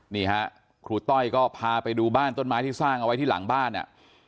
นี่ฮะครูต้อยก็พาไปดูบ้านต้นไม้ที่สร้างเอาไว้ที่หลังบ้านอ่ะ